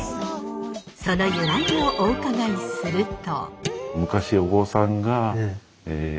その由来をお伺いすると。